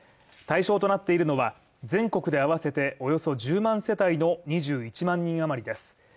対象となっているのは全国で合わせておよそ１０万世帯の２１万人余りです。